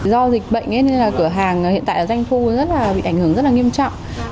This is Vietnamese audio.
do dịch bệnh nên là cửa hàng hiện tại ở danh thu bị ảnh hưởng rất nghiêm trọng